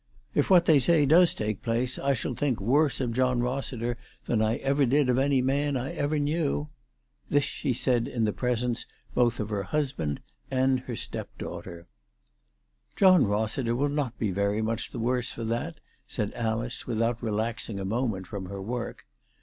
" If what they say does take place I shall think worse of John Rossiter than I ever did of any man I ever knew." This she said in the presence both of her husband and her step daughter. " John Rossiter will not be very much the worse for thaV said Alice without relaxing a moment from her work.